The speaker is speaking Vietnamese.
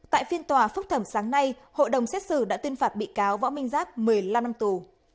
tại phiên tòa phúc thẩm sáng nay hội đồng xét xử đã tuyên phạt bị cáo võ minh giáp một mươi năm năm tù